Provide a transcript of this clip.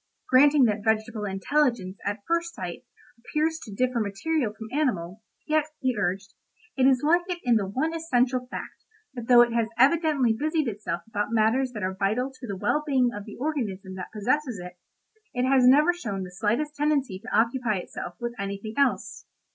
Granting that vegetable intelligence at first sight appears to differ materially from animal, yet, he urged, it is like it in the one essential fact that though it has evidently busied itself about matters that are vital to the well being of the organism that possesses it, it has never shown the slightest tendency to occupy itself with anything else.